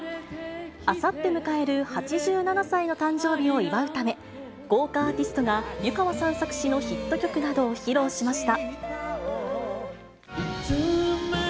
あさって迎える８７歳の誕生日を祝うため、豪華アーティストが湯川さん作詞のヒット曲などを披露しました。